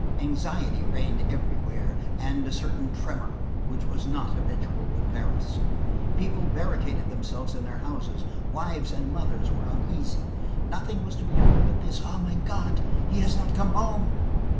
Anxiety reigned everywhere, and a certain tremor which was not habitual with Paris. People barricaded themselves in their houses; wives and mothers were uneasy; nothing was to be heard but this: "Ah! my God! He has not come home!"